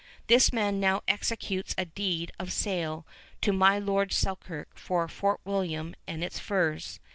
This man now executes a deed of sale to my Lord Selkirk for Fort William and its furs.